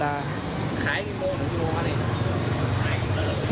ขายกี่โมงอันนี้